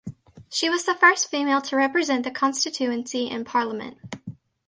She was the first female to represent the constituency in parliament.